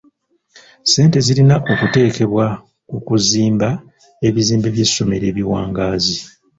Ssente zirina okuteekebwa ku kuzimba ebizimbe by'essomero ebiwangaazi.